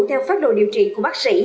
theo phát đồ điều trị của bác sĩ